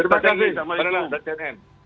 terima kasih sama ibu